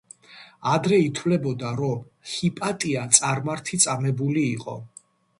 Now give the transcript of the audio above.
ადრე ითვლებოდა, რომ ჰიპატია წარმართი წამებული იყო.